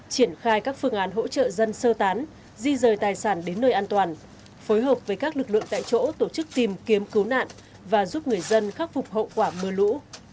triển khai các phương án hỗ trợ dân sơ tán di rời tài sản đến nơi an toàn phối hợp với các lực lượng tại chỗ tổ chức tìm kiếm cứu nạn và giúp người dân khắc phục hậu quả mưa lũ